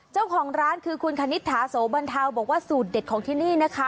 เจ้าของร้านคือคุณคณิตถาโสบรรเทาบอกว่าสูตรเด็ดของที่นี่นะคะ